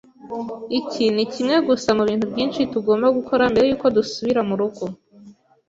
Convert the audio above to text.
Iki nikimwe gusa mubintu byinshi tugomba gukora mbere yuko dusubira murugo.